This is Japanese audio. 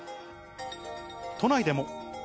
都内でも。